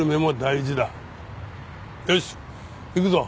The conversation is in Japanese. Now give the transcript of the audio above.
よし行くぞ。